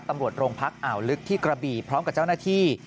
ตำรวจโรงพักอ่าวลึกที่กระบีพร้อมกับเจ้าหน้าที่